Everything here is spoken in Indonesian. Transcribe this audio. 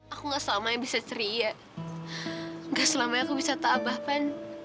aku gak selamanya bisa ceria gak selamanya aku bisa tak abah pan